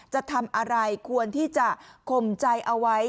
จะทำอะไรควรที่จะคมใจเอาไว้